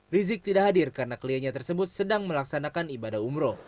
rizik tidak hadir karena kliennya tersebut sedang melaksanakan ibadah umroh